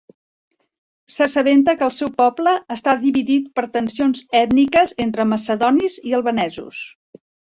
S'assabenta que el seu poble està dividit per tensions ètniques entre macedonis i albanesos.